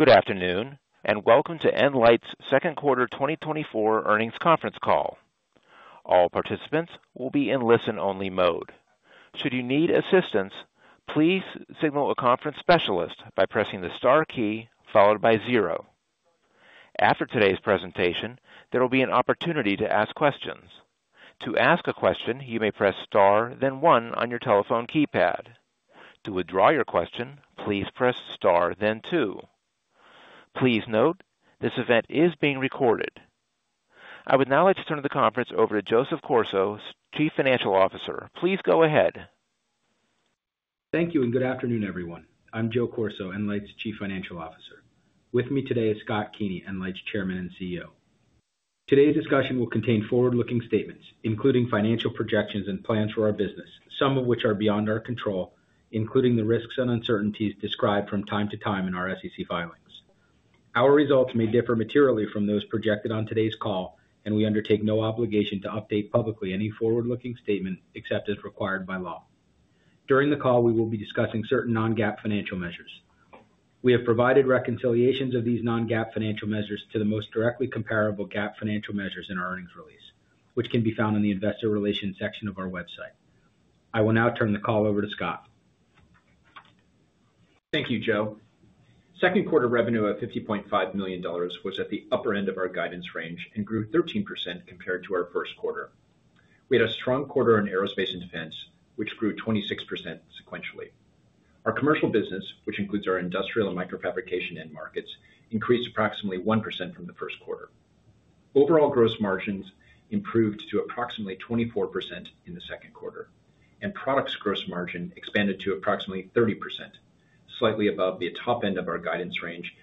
Good afternoon, and welcome to nLIGHT's second quarter 2024 earnings conference call. All participants will be in listen-only mode. Should you need assistance, please signal a conference specialist by pressing the star key followed by zero. After today's presentation, there will be an opportunity to ask questions. To ask a question, you may press star then one on your telephone keypad. To withdraw your question, please press star then two. Please note, this event is being recorded. I would now like to turn the conference over to Joseph Corso, Chief Financial Officer. Please go ahead. Thank you, and good afternoon, everyone. I'm Joe Corso, nLIGHT's Chief Financial Officer. With me today is Scott Keeney, nLIGHT's Chairman and CEO. Today's discussion will contain forward-looking statements, including financial projections and plans for our business, some of which are beyond our control, including the risks and uncertainties described from time to time in our SEC filings. Our results may differ materially from those projected on today's call, and we undertake no obligation to update publicly any forward-looking statement except as required by law. During the call, we will be discussing certain non-GAAP financial measures. We have provided reconciliations of these non-GAAP financial measures to the most directly comparable GAAP financial measures in our earnings release, which can be found in the investor relations section of our website. I will now turn the call over to Scott. Thank you, Joe. Second quarter revenue of $50.5 million was at the upper end of our guidance range and grew 13% compared to our first quarter. We had a strong quarter in aerospace and defense, which grew 26% sequentially. Our commercial business, which includes our industrial and microfabrication end markets, increased approximately 1% from the first quarter. Overall gross margins improved to approximately 24% in the second quarter, and products gross margin expanded to approximately 30%, slightly above the top end of our guidance range.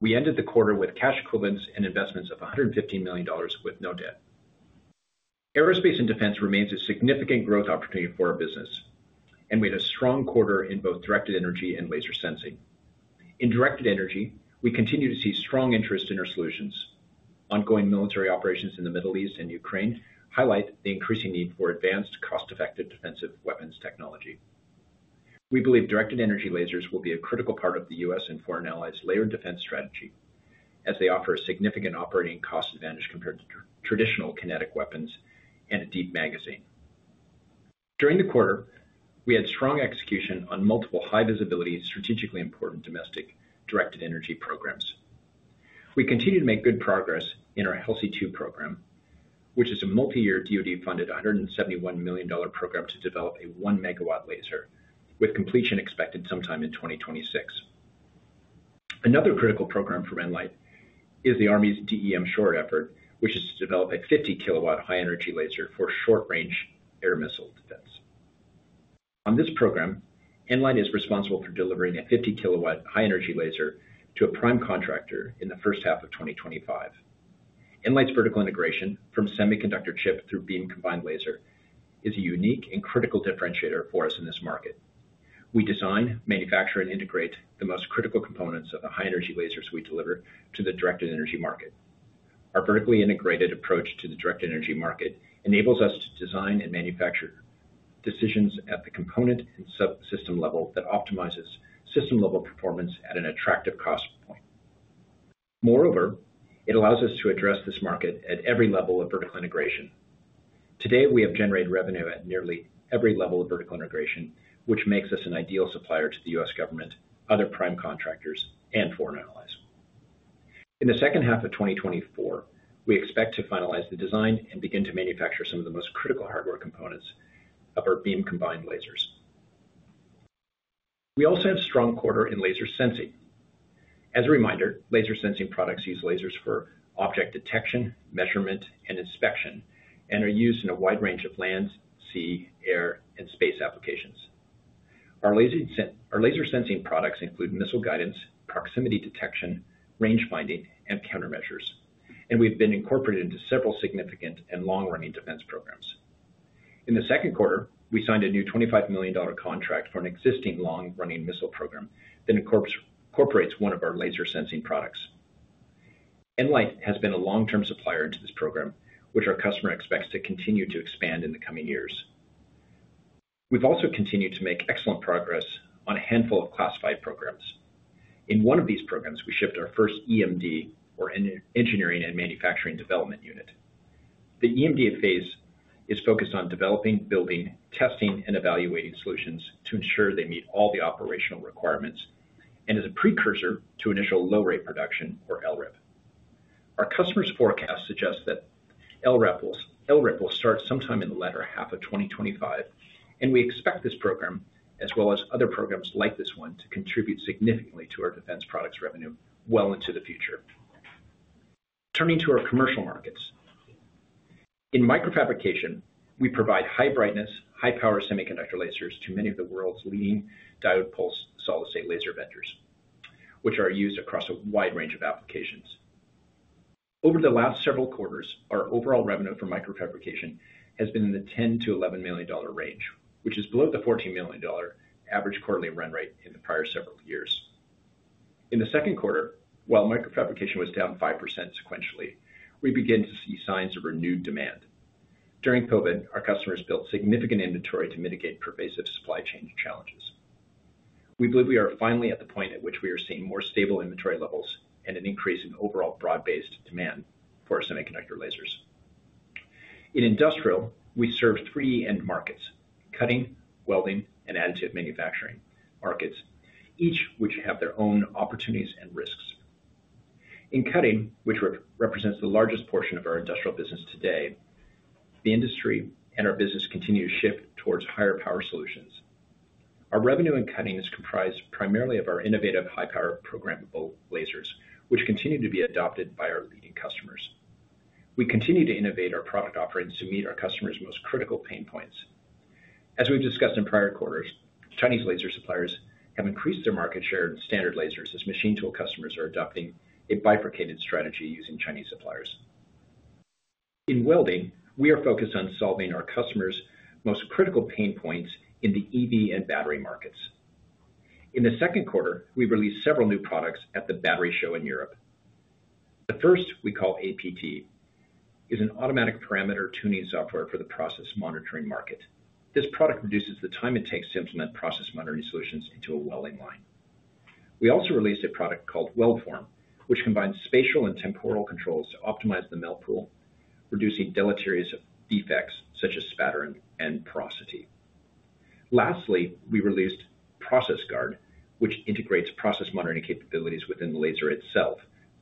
We ended the quarter with cash equivalents and investments of $150 million with no debt. Aerospace and Defense remains a significant growth opportunity for our business, and we had a strong quarter in both directed energy and laser sensing. In directed energy, we continue to see strong interest in our solutions. Ongoing military operations in the Middle East and Ukraine highlight the increasing need for advanced, cost-effective defensive weapons technology. We believe directed energy lasers will be a critical part of the U.S. and foreign allies' layered defense strategy, as they offer a significant operating cost advantage compared to traditional kinetic weapons and a deep magazine. During the quarter, we had strong execution on multiple high-visibility, strategically important domestic directed energy programs. We continue to make good progress in our HELSI-2 program, which is a multi-year DoD-funded $171 million program to develop a 1 MW laser, with completion expected sometime in 2026. Another critical program for nLIGHT is the Army's DE M-SHORAD effort, which is to develop a 50 kW high energy laser for short-range air missile defense. On this program, nLIGHT is responsible for delivering a 50 kW high energy laser to a prime contractor in the first half of 2025. nLIGHT's vertical integration from semiconductor chip through beam-combined laser is a unique and critical differentiator for us in this market. We design, manufacture, and integrate the most critical components of the high energy lasers we deliver to the directed energy market. Our vertically integrated approach to the directed energy market enables us to design and manufacture decisions at the component and subsystem level that optimizes system-level performance at an attractive cost point. Moreover, it allows us to address this market at every level of vertical integration. Today, we have generated revenue at nearly every level of vertical integration, which makes us an ideal supplier to the U.S. government, other prime contractors, and foreign allies. In the second half of 2024, we expect to finalize the design and begin to manufacture some of the most critical hardware components of our beam-combined lasers. We also had a strong quarter in laser sensing. As a reminder, laser sensing products use lasers for object detection, measurement, and inspection, and are used in a wide range of land, sea, air, and space applications. Our laser sensing products include missile guidance, proximity detection, range finding, and countermeasures, and we've been incorporated into several significant and long-running defense programs. In the second quarter, we signed a new $25 million contract for an existing long-running missile program that incorporates one of our laser sensing products. nLIGHT has been a long-term supplier to this program, which our customer expects to continue to expand in the coming years. We've also continued to make excellent progress on a handful of classified programs. In one of these programs, we shipped our first EMD, or Engineering and Manufacturing Development unit. The EMD phase is focused on developing, building, testing, and evaluating solutions to ensure they meet all the operational requirements and is a precursor to initial low rate production or LRIP. Our customer's forecast suggests that LRIP will start sometime in the latter half of 2025, and we expect this program, as well as other programs like this one, to contribute significantly to our defense products revenue well into the future. Turning to our commercial markets. In microfabrication, we provide high brightness, high-power semiconductor lasers to many of the world's leading diode-pulsed, solid-state laser vendors, which are used across a wide range of applications. Over the last several quarters, our overall revenue for microfabrication has been in the $10 million-$11 million range, which is below the $14 million average quarterly run rate in the prior several years. In the second quarter, while microfabrication was down 5% sequentially, we began to see signs of renewed demand. During COVID, our customers built significant inventory to mitigate pervasive supply chain challenges. We believe we are finally at the point at which we are seeing more stable inventory levels and an increase in overall broad-based demand for semiconductor lasers. In industrial, we serve three end markets: cutting, welding, and additive manufacturing markets, each which have their own opportunities and risks. In cutting, which represents the largest portion of our industrial business today, the industry and our business continue to shift towards higher power solutions. Our revenue in cutting is comprised primarily of our innovative high-power programmable lasers, which continue to be adopted by our leading customers. We continue to innovate our product offerings to meet our customers' most critical pain points. As we've discussed in prior quarters, Chinese laser suppliers have increased their market share in standard lasers as machine tool customers are adopting a bifurcated strategy using Chinese suppliers. In welding, we are focused on solving our customers' most critical pain points in the EV and battery markets. In the second quarter, we released several new products at the battery show in Europe. The first we call APT is an automatic parameter tuning software for the process monitoring market. This product reduces the time it takes to implement process monitoring solutions into a welding line. We also released a product called WELDForm, which combines spatial and temporal controls to optimize the melt pool, reducing deleterious defects such as spattering and porosity. Lastly, we released ProcessGUARD which integrates process monitoring capabilities within the laser itself,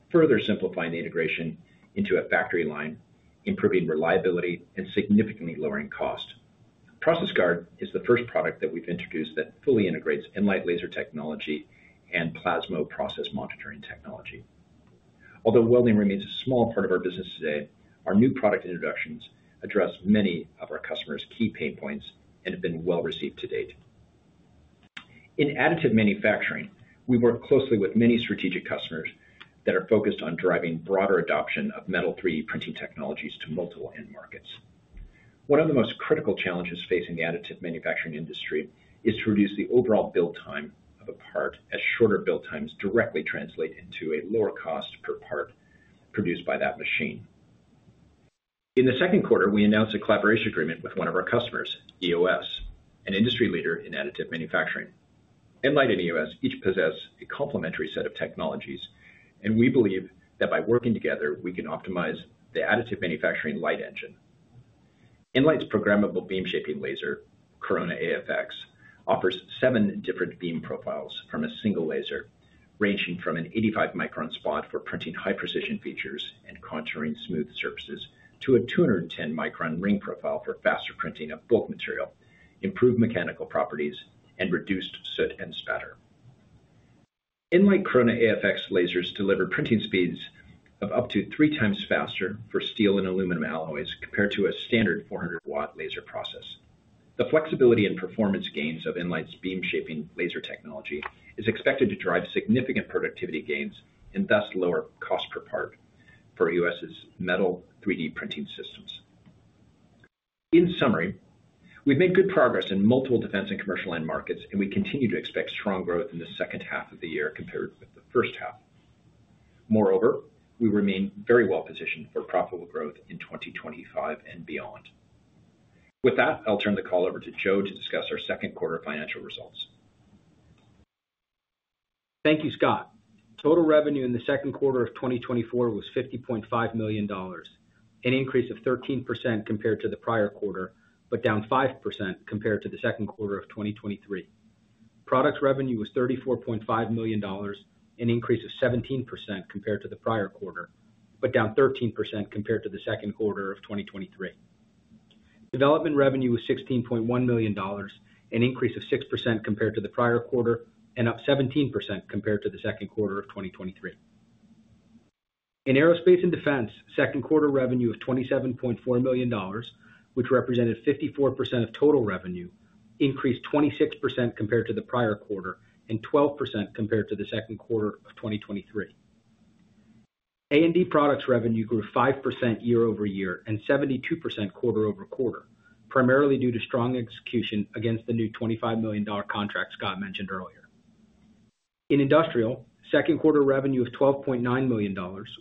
further simplifying the integration into a factory line, improving reliability and significantly lowering cost. ProcessGUARD is the first product that we've introduced that fully integrates nLIGHT laser technology and Plasmo process monitoring technology. Although welding remains a small part of our business today, our new product introductions address many of our customers' key pain points and have been well received to date. In additive manufacturing, we work closely with many strategic customers that are focused on driving broader adoption of metal 3D printing technologies to multiple end markets. One of the most critical challenges facing the additive manufacturing industry is to reduce the overall build time of a part, as shorter build times directly translate into a lower cost per part produced by that machine. In the second quarter, we announced a collaboration agreement with one of our customers, EOS, an industry leader in additive manufacturing. nLIGHT and EOS each possess a complementary set of technologies, and we believe that by working together, we can optimize the additive manufacturing light engine. nLIGHT's programmable beam shaping laser, Corona AFX, offers seven different beam profiles from a single laser, ranging from an 85 micron spot for printing high precision features and contouring smooth surfaces, to a 210 micron ring profile for faster printing of bulk material, improved mechanical properties, and reduced soot and spatter. nLIGHT Corona AFX lasers deliver printing speeds of up to three times faster for steel and aluminum alloys compared to a standard 400-watt laser process. The flexibility and performance gains of nLIGHT's beam shaping laser technology is expected to drive significant productivity gains and thus lower cost per part for EOS's metal 3D printing systems. In summary, we've made good progress in multiple defense and commercial end markets, and we continue to expect strong growth in the second half of the year compared with the first half. Moreover, we remain very well positioned for profitable growth in 2025 and beyond. With that, I'll turn the call over to Joe to discuss our second quarter financial results. Thank you, Scott. Total revenue in the second quarter of 2024 was $50.5 million, an increase of 13% compared to the prior quarter, but down 5% compared to the second quarter of 2023. Product revenue was $34.5 million, an increase of 17% compared to the prior quarter, but down 13% compared to the second quarter of 2023. Development revenue was $16.1 million, an increase of 6% compared to the prior quarter and up 17% compared to the second quarter of 2023. In aerospace and defense, second quarter revenue of $27.4 million, which represented 54% of total revenue, increased 26% compared to the prior quarter and 12% compared to the second quarter of 2023. A&D products revenue grew 5% year-over-year and 72% quarter-over-quarter, primarily due to strong execution against the new $25 million contract Scott mentioned earlier. In industrial, second quarter revenue of $12.9 million,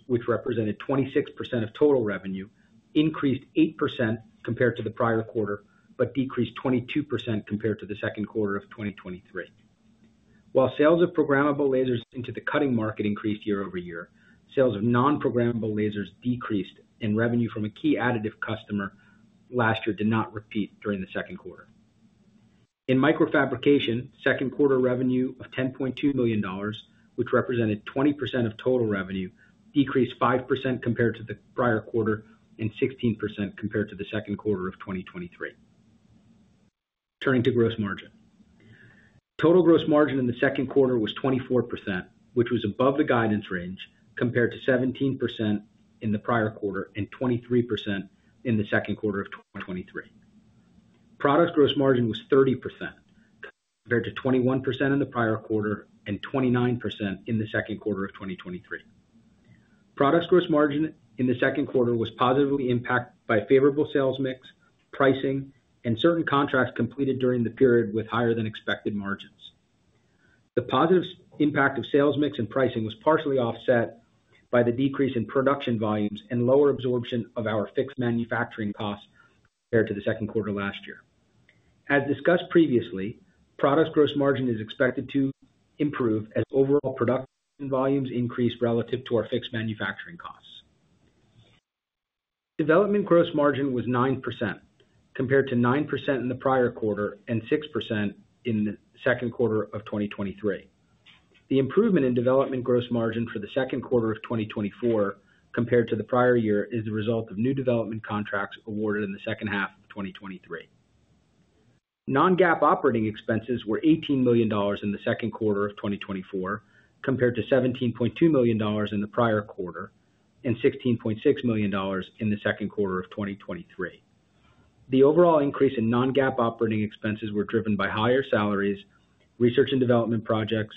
which represented 26% of total revenue, increased 8% compared to the prior quarter, but decreased 22% compared to the second quarter of 2023. While sales of programmable lasers into the cutting market increased year-over-year, sales of non-programmable lasers decreased, and revenue from a key additive customer last year did not repeat during the second quarter. In microfabrication, second quarter revenue of $10.2 million, which represented 20% of total revenue, decreased 5% compared to the prior quarter and 16% compared to the second quarter of 2023. Turning to gross margin. Total gross margin in the second quarter was 24%, which was above the guidance range, compared to 17% in the prior quarter and 23% in the second quarter of 2023. Product gross margin was 30%, compared to 21% in the prior quarter and 29% in the second quarter of 2023. Product gross margin in the second quarter was positively impacted by favorable sales mix, pricing, and certain contracts completed during the period with higher than expected margins. The positive impact of sales mix and pricing was partially offset by the decrease in production volumes and lower absorption of our fixed manufacturing costs compared to the second quarter last year. As discussed previously, product gross margin is expected to improve as overall production volumes increase relative to our fixed manufacturing costs. Development gross margin was 9%, compared to 9% in the prior quarter and 6% in the second quarter of 2023. The improvement in development gross margin for the second quarter of 2024, compared to the prior year, is the result of new development contracts awarded in the second half of 2023. Non-GAAP operating expenses were $18 million in the second quarter of 2024, compared to $17.2 million in the prior quarter, and $16.6 million in the second quarter of 2023. The overall increase in non-GAAP operating expenses were driven by higher salaries, research and development projects,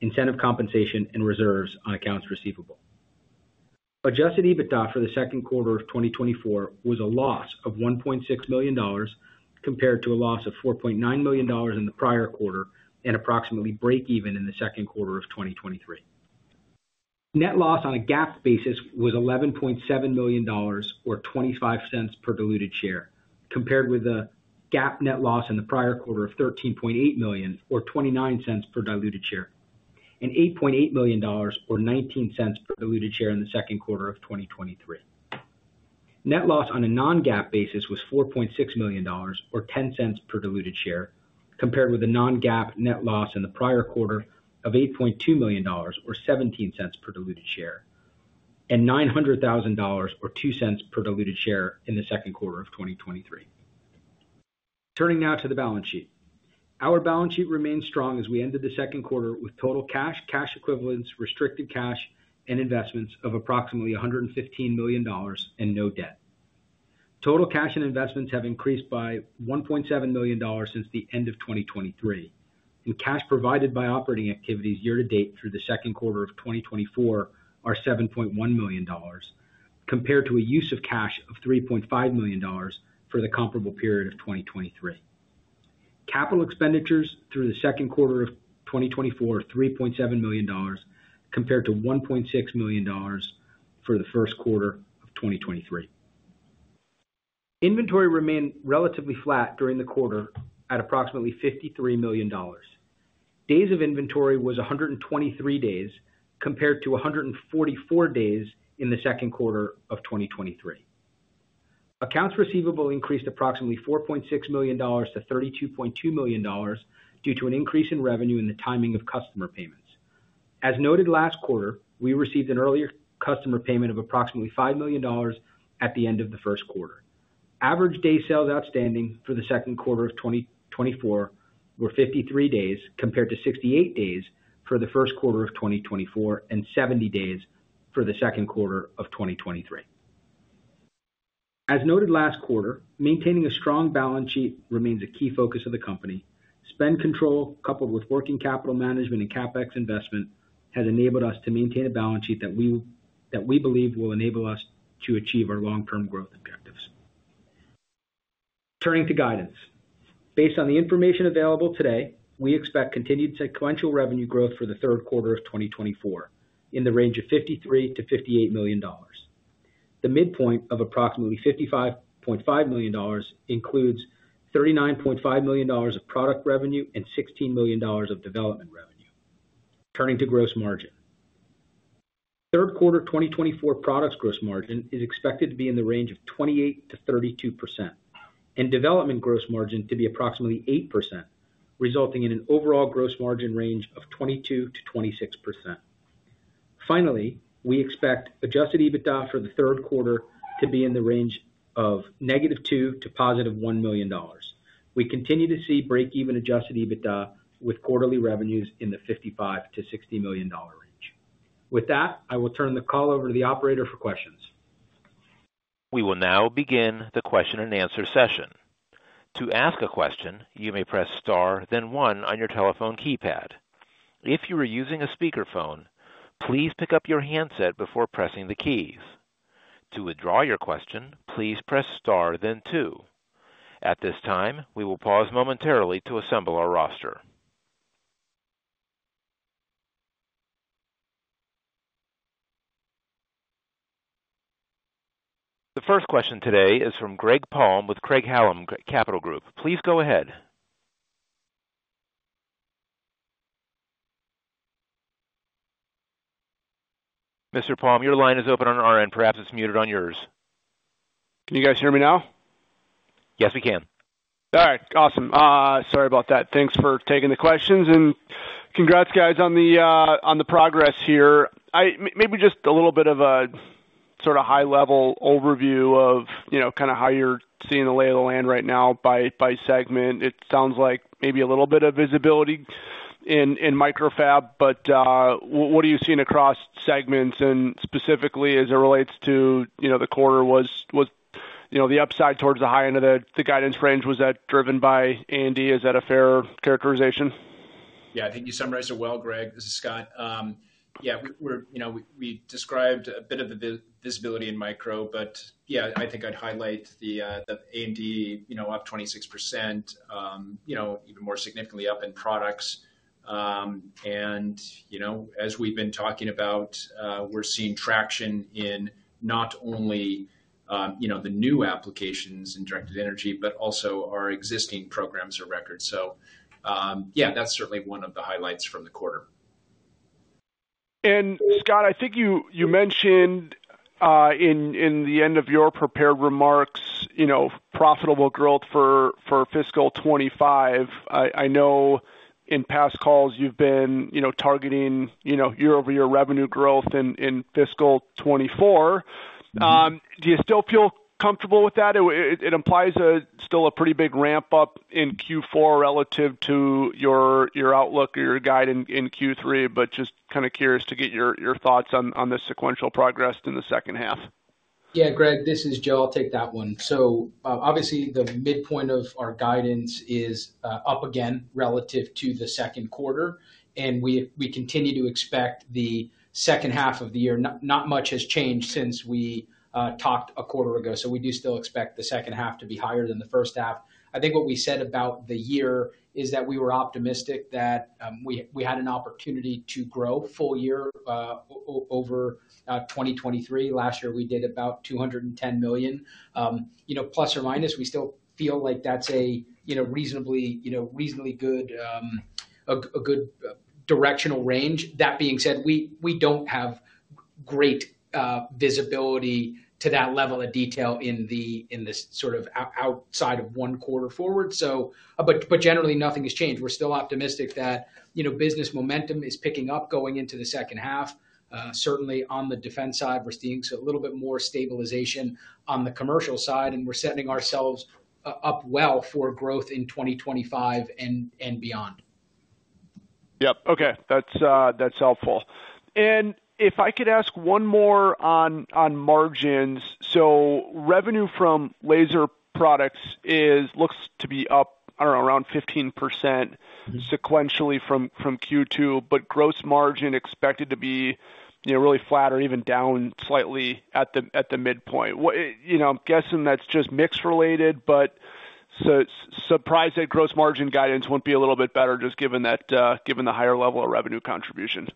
incentive compensation, and reserves on accounts receivable. Adjusted EBITDA for the second quarter of 2024 was a loss of $1.6 million, compared to a loss of $4.9 million in the prior quarter and approximately breakeven in the second quarter of 2023. Net loss on a GAAP basis was $11.7 million, or $0.25 per diluted share, compared with a GAAP net loss in the prior quarter of $13.8 million, or $0.29 per diluted share, and $8.8 million, or $0.19 per diluted share in the second quarter of 2023. Net loss on a non-GAAP basis was $4.6 million, or $0.10 per diluted share, compared with a non-GAAP net loss in the prior quarter of $8.2 million, or $0.17 per diluted share, and $900,000 or $0.02 per diluted share in the second quarter of 2023. Turning now to the balance sheet. Our balance sheet remains strong as we ended the second quarter with total cash, cash equivalents, restricted cash and investments of approximately $115 million and no debt. Total cash and investments have increased by $1.7 million since the end of 2023, and cash provided by operating activities year to date through the second quarter of 2024 are $7.1 million, compared to a use of cash of $3.5 million for the comparable period of 2023. Capital expenditures through the second quarter of 2024 are $3.7 million, compared to $1.6 million for the first quarter of 2023. Inventory remained relatively flat during the quarter at approximately $53 million. Days of inventory was 123 days, compared to 144 days in the second quarter of 2023. Accounts receivable increased approximately $4.6 million to $32.2 million due to an increase in revenue and the timing of customer payments. As noted last quarter, we received an earlier customer payment of approximately $5 million at the end of the first quarter. Average days sales outstanding for the second quarter of 2024 were 53 days, compared to 68 days for the first quarter of 2024 and 70 days for the second quarter of 2023. As noted last quarter, maintaining a strong balance sheet remains a key focus of the company. Spend control, coupled with working capital management and CapEx investment, has enabled us to maintain a balance sheet that we, that we believe will enable us to achieve our long-term growth objectives. Turning to guidance. Based on the information available today, we expect continued sequential revenue growth for the third quarter of 2024 in the range of $53 million-$58 million. The midpoint of approximately $55.5 million includes $39.5 million of product revenue and $16 million of development revenue. Turning to gross margin. Third quarter 2024 products gross margin is expected to be in the range of 28%-32%, and development gross margin to be approximately 8%, resulting in an overall gross margin range of 22%-26%. Finally, we expect adjusted EBITDA for the third quarter to be in the range of -$2 million to +$1 million. We continue to see break-even adjusted EBITDA with quarterly revenues in the $55 million-$60 million range. With that, I will turn the call over to the operator for questions. We will now begin the question and answer session. To ask a question, you may press star, then one on your telephone keypad. If you are using a speakerphone, please pick up your handset before pressing the keys. To withdraw your question, please press star then two. At this time, we will pause momentarily to assemble our roster. The first question today is from Greg Palm with Craig-Hallum Capital Group. Please go ahead. Mr. Palm, your line is open on our end. Perhaps it's muted on yours. Can you guys hear me now? Yes, we can. All right. Awesome. Sorry about that. Thanks for taking the questions and congrats, guys, on the progress here. Maybe just a little bit of a sort of high-level overview of, you know, kind of how you're seeing the lay of the land right now by segment. It sounds like maybe a little bit of visibility in microfab, but what are you seeing across segments? And specifically, as it relates to, you know, the quarter was the upside towards the high end of the guidance range, was that driven by A&D? Is that a fair characterization? Yeah, I think you summarized it well, Greg. This is Scott. Yeah, we're, you know, we described a bit of the visibility in micro, but yeah, I think I'd highlight the A&D, you know, up 26%, even more significantly up in products. And, you know, as we've been talking about, we're seeing traction in not only, you know, the new applications in directed energy, but also our existing programs or records. So, yeah, that's certainly one of the highlights from the quarter. Scott, I think you mentioned in the end of your prepared remarks, you know, profitable growth for fiscal 2025. I know in past calls you've been, you know, targeting, you know, year-over-year revenue growth in fiscal 2024. Do you still feel comfortable with that? It implies still a pretty big ramp-up in Q4 relative to your outlook or your guide in Q3, but just kind of curious to get your thoughts on the sequential progress in the second half. Yeah, Greg, this is Joe. I'll take that one. So obviously, the midpoint of our guidance is up again relative to the second quarter, and we continue to expect the second half of the year. Not much has changed since we talked a quarter ago, so we do still expect the second half to be higher than the first half. I think what we said about the year is that we were optimistic that we had an opportunity to grow full year over 2023. Last year, we did about $210 million. You know, plus or minus, we still feel like that's a you know reasonably good directional range. That being said, we don't have great visibility to that level of detail in this sort of outside of one quarter forward. So, but generally, nothing has changed. We're still optimistic that, you know, business momentum is picking up, going into the second half. Certainly on the defense side, we're seeing a little bit more stabilization on the commercial side, and we're setting ourselves up well for growth in 2025 and beyond. Yep. Okay, that's, that's helpful. And if I could ask one more on margins. So revenue from laser products is, looks to be up, I don't know, around 15% sequentially from Q2, but gross margin expected to be, you know, really flat or even down slightly at the midpoint. What... You know, I'm guessing that's just mix related, but so surprised that gross margin guidance won't be a little bit better, just given that, given the higher level of revenue contribution.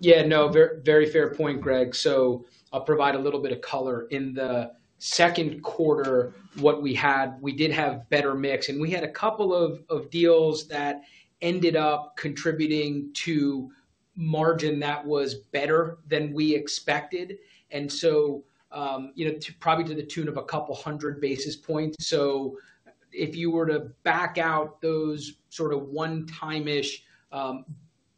Yeah, no, very fair point, Greg. So I'll provide a little bit of color. In the second quarter, what we had, we did have better mix, and we had a couple of deals that ended up contributing to margin that was better than we expected, and so, you know, to probably to the tune of a couple hundred basis points. So if you were to back out those sort of one-time-ish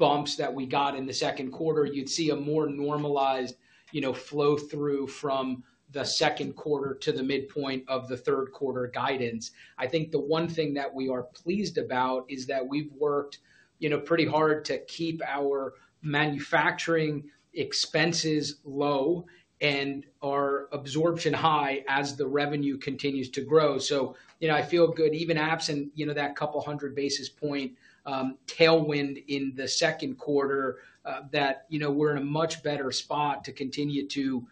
bumps that we got in the second quarter, you'd see a more normalized, you know, flow through from the second quarter to the midpoint of the third quarter guidance. I think the one thing that we are pleased about is that we've worked, you know, pretty hard to keep our manufacturing expenses low and our absorption high as the revenue continues to grow. So, you know, I feel good, even absent, you know, that 200 basis points tailwind in the second quarter, that, you know, we're in a much better spot to continue to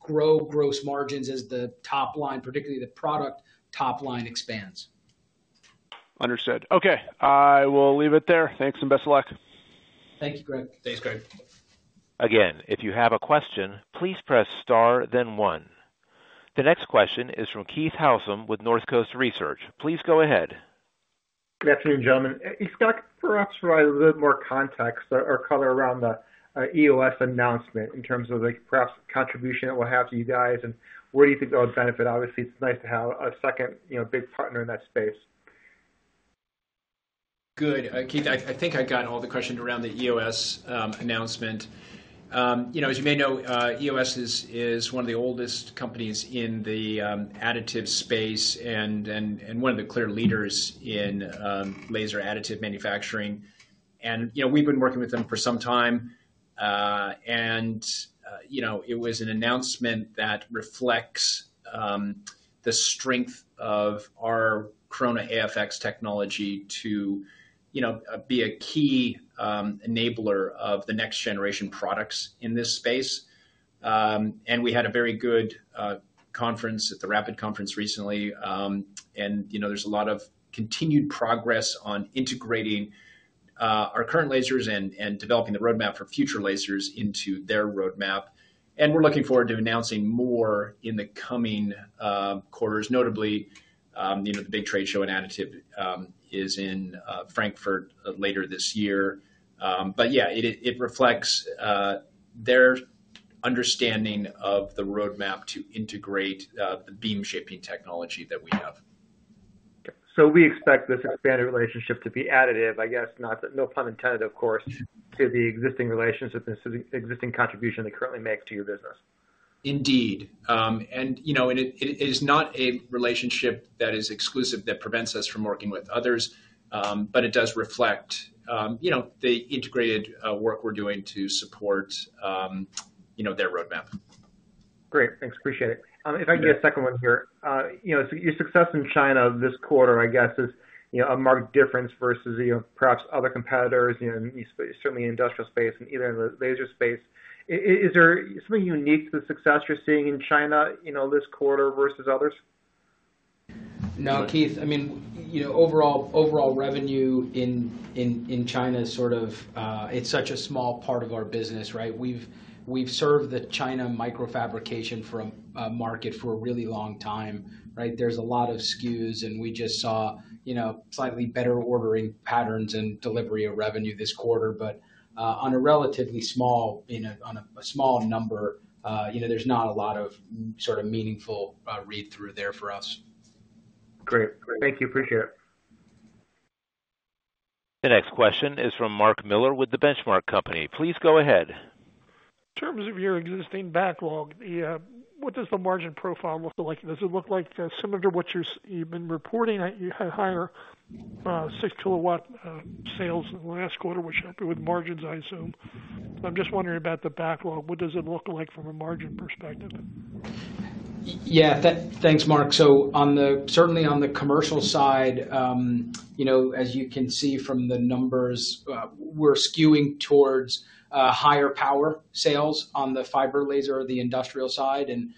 grow gross margins as the top line, particularly the product top line, expands. Understood. Okay, I will leave it there. Thanks, and best of luck. Thank you, Greg. Thanks, Greg. Again, if you have a question, please press star then one. The next question is from Keith Housum with North Coast Research. Please go ahead. Good afternoon, gentlemen. Scott, could you perhaps provide a little more context or, or color around the EOS announcement in terms of the, perhaps, contribution it will have to you guys, and where do you think that will benefit? Obviously, it's nice to have a second, you know, big partner in that space. Good. Keith, I think I got all the questions around the EOS announcement. You know, as you may know, EOS is one of the oldest companies in the additive space and one of the clear leaders in laser additive manufacturing. You know, we've been working with them for some time. You know, it was an announcement that reflects the strength of our Corona AFX technology to, you know, be a key enabler of the next generation products in this space. We had a very good conference at the Rapid conference recently. You know, there's a lot of continued progress on integrating our current lasers and developing the roadmap for future lasers into their roadmap. We're looking forward to announcing more in the coming quarters. Notably, you know, the big trade show in additive is in Frankfurt later this year. But yeah, it reflects their understanding of the roadmap to integrate the beam shaping technology that we have. So we expect this expanded relationship to be additive, I guess, not—no pun intended, of course, to the existing relationships and to the existing contribution they currently make to your business. Indeed. You know, it is not a relationship that is exclusive that prevents us from working with others, but it does reflect, you know, the integrated work we're doing to support, you know, their roadmap. Great. Thanks, appreciate it. If I can get a second one here. You know, so your success in China this quarter, I guess, is, you know, a marked difference versus, you know, perhaps other competitors, you know, in east, certainly in industrial space and even in the laser space. Is there something unique to the success you're seeing in China, you know, this quarter versus others? No, Keith, I mean, you know, overall revenue in China is sort of, it's such a small part of our business, right? We've served the China microfabrication market for a really long time, right? There's a lot of SKUs, and we just saw, you know, slightly better ordering patterns and delivery of revenue this quarter. But on a relatively small number, you know, there's not a lot of sort of meaningful read-through there for us. Great. Thank you. Appreciate it. The next question is from Mark Miller with The Benchmark Company. Please go ahead. In terms of your existing backlog, what does the margin profile look like? Does it look like similar to what you're, you've been reporting? You had higher 6 kW sales in the last quarter, which helped you with margins, I assume. I'm just wondering about the backlog. What does it look like from a margin perspective? Yeah. Thanks, Mark. So certainly on the commercial side, you know, as you can see from the numbers, we're skewing towards higher power sales on the fiber laser or the industrial side. And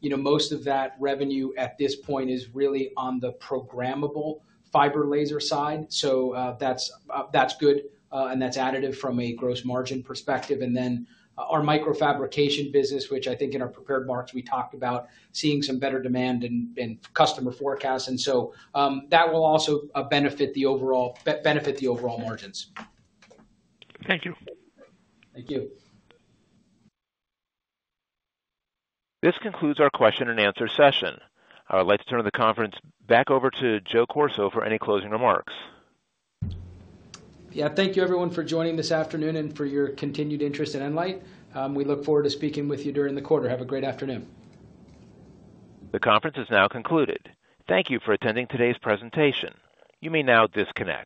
you know, most of that revenue at this point is really on the programmable fiber laser side. So that's good, and that's additive from a gross margin perspective. And then our microfabrication business, which I think in our prepared remarks, we talked about seeing some better demand and customer forecasts. And so that will also benefit the overall margins. Thank you. Thank you. This concludes our question and answer session. I would like to turn the conference back over to Joe Corso for any closing remarks. Yeah, thank you, everyone, for joining this afternoon and for your continued interest in nLIGHT. We look forward to speaking with you during the quarter. Have a great afternoon. The conference is now concluded. Thank you for attending today's presentation. You may now disconnect.